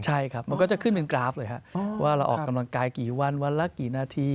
ใช่ครับมันก็จะขึ้นเป็นกราฟเลยฮะว่าเราออกกำลังกายกี่วันวันละกี่นาที